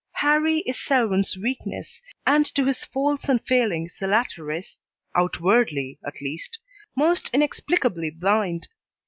Harrie is Selwyn's weakness, and to his faults and failings the latter is, outwardly, at least, most inexplicably blind.